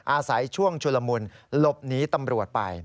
อาศัยช่วงชุลมุนหลบหนีตำรวจไป